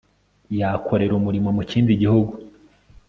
yakorera umurimo mu kindi gihugu